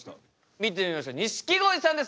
見てみましょう錦鯉さんですどうぞ！